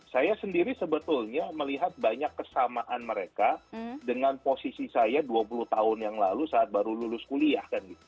saya sendiri sebetulnya melihat banyak kesamaan mereka dengan posisi saya dua puluh tahun yang lalu saat baru lulus kuliah